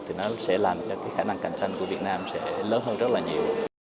thì nó sẽ làm cho cái khả năng cạnh tranh của việt nam sẽ lớn hơn rất là nhiều